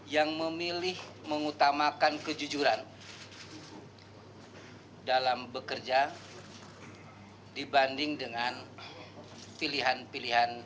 yang memilih mengutamakan kejujuran dalam bekerja dibanding dengan pilihan pilihan